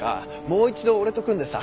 もう一度俺と組んでさ。